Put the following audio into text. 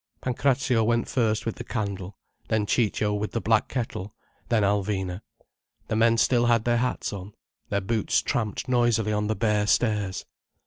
Pancrazio went first with the candle—then Ciccio with the black kettle—then Alvina. The men still had their hats on. Their boots tramped noisily on the bare stairs.